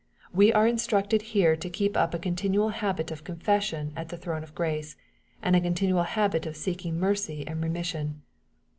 We are instructed here to keep up a continual habit of confession at the throne of grace, and a continual habit of seeking mercy and remission.